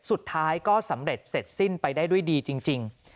สุดท้ายก็สำเร็จเสร็จสิ้นไปได้ด้วยดีจริง